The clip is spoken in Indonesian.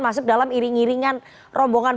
masuk dalam iring iringan rombongan